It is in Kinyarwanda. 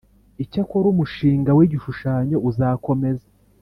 Icyakora umushinga w igishushanyo uzakomeza